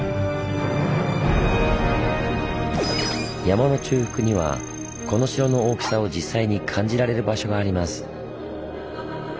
山の中腹にはこの城の大きさを実際に感じられる場所があります。